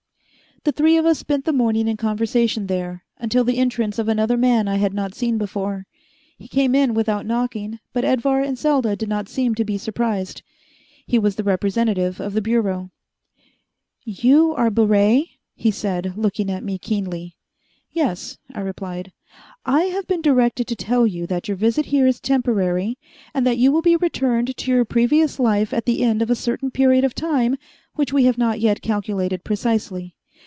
The three of us spent the morning in conversation there, until the entrance of another man I had not seen before. He came in without knocking, but Edvar and Selda did not seem to be surprised. He was the representative of the Bureau. "You are Baret?" he said, looking at me keenly. "Yes," I replied. "I have been directed to tell you that your visit here is temporary, and that you will be returned to your previous life at the end of a certain period of time which we have not yet calculated precisely.